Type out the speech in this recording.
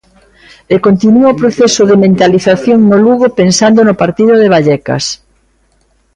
E continua o proceso de mentalización no Lugo pensando no partido de Vallecas.